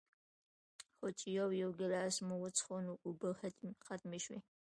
خو چې يو يو ګلاس مو وڅښو نو اوبۀ ختمې شوې